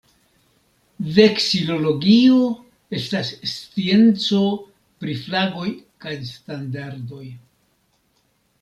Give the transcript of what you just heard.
Veksilologio estas scienco pri flagoj kaj standardoj.